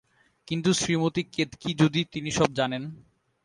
কিন্তু শ্রীমতী কেতকী যদি– তিনি সব জানেন।